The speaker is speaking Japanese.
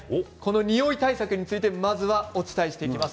におい対策についてお伝えしていきます。